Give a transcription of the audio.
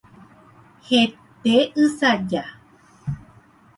Hete ysaja.